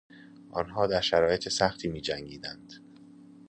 آنها در شرایط سختی میجنگیدند.